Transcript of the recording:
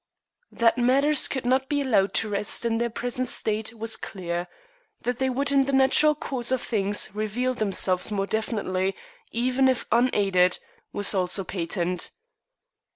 That matters could not be allowed to rest in their present state was clear; that they would, in the natural course of things, reveal themselves more definitely, even if unaided, was also patent.